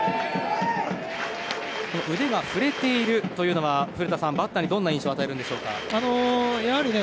腕が振れているというのは古田さん、バッターにどんな印象を与えるのでしょうか。